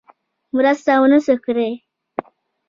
مرسته ونه سوه کړای.